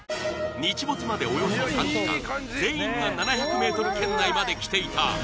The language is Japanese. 日没までおよそ３時間全員が７００ｍ圏内まで来ていた